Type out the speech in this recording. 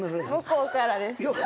向こうからです。